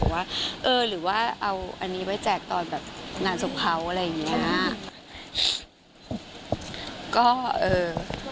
ว่าเออหรือเอาอันนี้ไปแจกตอนแบบนานสุขเพราะว่าอะไรอย่างนี้